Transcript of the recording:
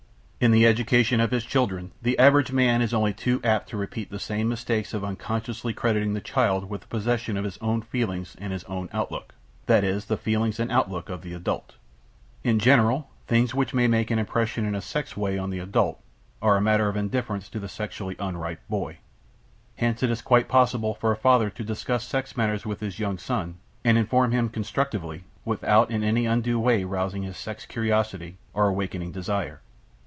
In the education of his children the average man is only too apt to repeat the same mistake of unconsciously crediting the child with the possession of his own feelings and his own outlook, that is the feelings and outlook of the adult. In general, things which may make an impression in a sex way on the adult are a matter of indifference to the sexually unripe boy. Hence it is quite possible for a father to discuss sex matters with his young son and inform him constructively, without in any undue way rousing his sex curiosity or awakening desire.